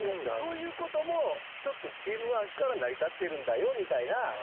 そういうことも一つのチームワークから成り立ってるんだよみたいな。